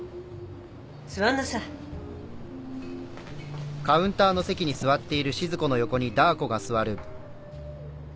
座んなさい。